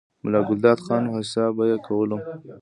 ملا ګلداد خان، حساب به ئې کولو،